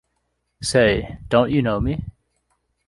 Say, don't you know me?